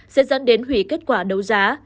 sẽ dẫn đến hủy kết quả đấu giá